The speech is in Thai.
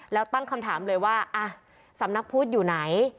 แล้วตั้งคำถามเลยว่าสำนักพุทธอยู่ไหน